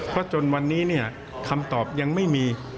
เพราะจนวันนี้เนี่ยคำตอบยังไม่มี